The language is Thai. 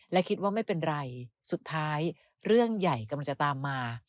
และคิดว่าไม่เป็นไรสุดท้ายเรื่องใหญ่กำลังจะตามมา